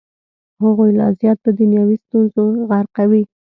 هغوی لا زیات په دنیوي ستونزو غرقوي.